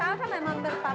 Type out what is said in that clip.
salsa memang berpasangan